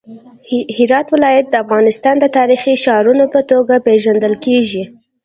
هرات ولایت د افغانستان د تاریخي ښارونو په توګه پیژندل کیږي.